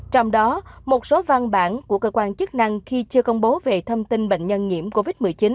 trong đó một số văn bản của cơ quan chức năng khi chưa công bố về thông tin bệnh nhân nhiễm covid một mươi chín